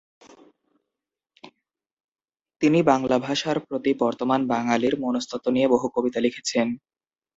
তিনি বাংলা ভাষার প্রতি বর্তমান বাঙালির মনস্তত্ত্ব নিয়ে বহু কবিতা লিখেছেন।